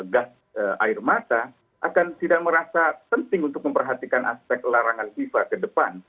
gas air mata akan tidak merasa penting untuk memperhatikan aspek larangan fifa ke depan